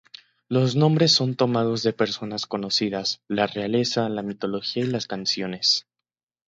Los nombres son tomados de personas conocidas, la realeza, la mitología y las canciones.